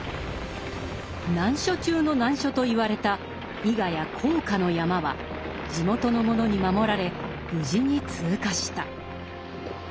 難所中の難所と言われた伊賀や甲賀の山は地元の者に守られ無事に通過した。